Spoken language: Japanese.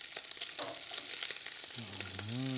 うん。